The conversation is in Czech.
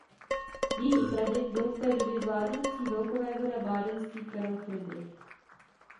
Její praděd byl v té době vládnoucí velkovévoda bádenský Karel Fridrich.